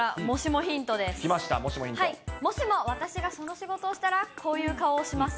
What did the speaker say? もしも私がその仕事をしたら、こういう顔をします。